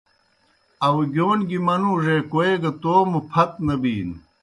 آؤگِیون گیْ منُوڙے کوئے گہ توموْ پھت نہ بِینوْ۔